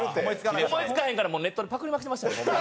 思い付かへんからネットでパクりまくってましたねホンマ